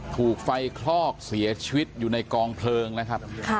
ถูกไฟคลอกเสียชีวิตอยู่ในกองเพลิงนะครับ